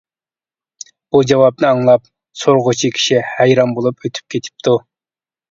بۇ جاۋابنى ئاڭلاپ سورىغۇچى كىشى ھەيران بولۇپ ئۆتۈپ كېتىپتۇ.